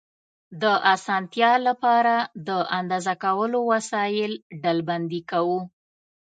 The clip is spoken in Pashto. د اسانتیا له پاره، د اندازه کولو وسایل ډلبندي کوو.